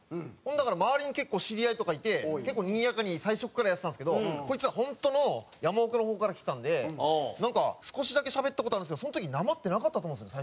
だから周りに結構知り合いとかいて結構にぎやかに最初からやってたんですけどこいつは本当の山奥の方から来てたんでなんか少しだけしゃべった事あるんですけどその時訛ってなかったと思うんですよね